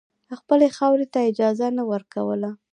خپلې خاورې ته اجازه نه ورکوله.